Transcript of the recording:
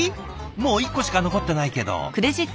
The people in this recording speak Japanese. もう１個しか残ってないけど。